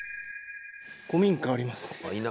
古民家ありますね。